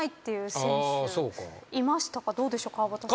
どうでしょう川端さん。